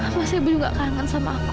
tapi ibu ibu masih bener gak kangen sama aku